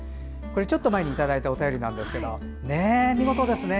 ちょっと前にいただいたお便りなんですけど見事ですね。